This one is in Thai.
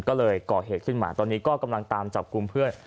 ก็เลยก่อเหตุขึ้นมาตอนนี้ก็กำลังตามจับกลุ่มเพื่อน